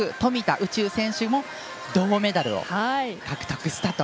宇宙選手も銅メダルを獲得したと。